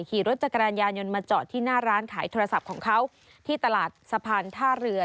ขี่รถจักรยานยนต์มาจอดที่หน้าร้านขายโทรศัพท์ของเขาที่ตลาดสะพานท่าเรือ